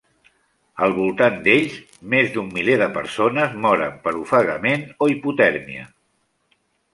Al voltant d'ells, més d'un miler de persones moren per ofegament o hipotèrmia.